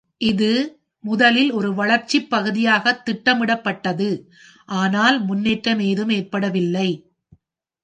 இது முதலில் ஒரு வளர்ச்சிப் பகுதியாக திட்டமிடப்பட்டது, ஆனால் முன்னேற்றம் ஏதும் ஏற்படவில்லை.